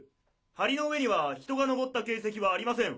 ハリの上には人が登った形跡はありません。